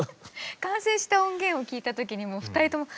完成した音源を聴いた時に２人とも。